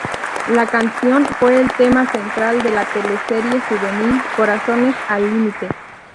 La canción fue el tema central de la teleserie juvenil "Corazones al límite".